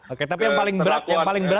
oke tapi yang paling berat apa deh